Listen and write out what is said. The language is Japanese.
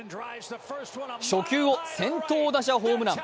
初球を先頭打者ホームラン。